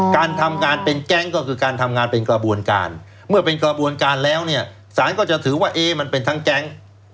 การทำงานเป็นแก๊งก็คือการทำงานเป็นกระบวนการเมื่อเป็นกระบวนการแล้วเนี่ยสารก็จะถือว่ามันเป็นทั้งแก๊ง